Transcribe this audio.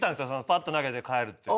パッと投げて帰るっていう。